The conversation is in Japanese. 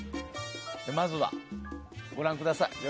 まずは、ご覧ください。